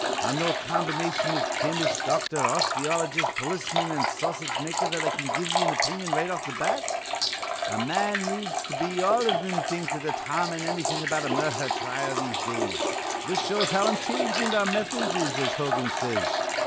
I'm no combi nation iv chemist, doctor, osteologist, polisman, an' sausage maker, that I can give ye an opinion right off th' bat. A man needs to be all iv thim things to detarmine annything about a murdher trile in these days. This shows how intilligent our methods is, as Hogan says.